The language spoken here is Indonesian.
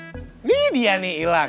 ini dia nih ilang